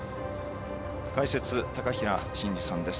解説は高平慎士さんです。